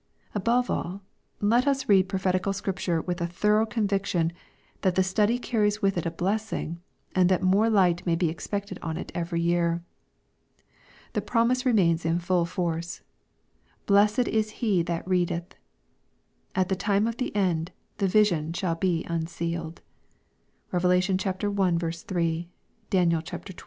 Above all, let us read prophetical Scripture with a thorough conviction that the study carries with it a blessing, and that more light may be expected on it every year. The promise remains in full force, " Blessed is he that readeth." At the time of the end, the vision shall be unsealed. (Rev. i 3 ; Dan. xii. 9.)